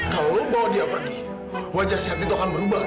kalau lo bawa dia pergi wajah si artie itu akan berubah